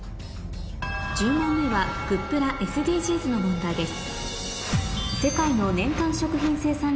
１０問目は「＃グップラ」ＳＤＧｓの問題です